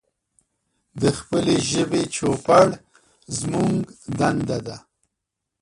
د خپلې ژبې چوپړ زمونږ دنده ده.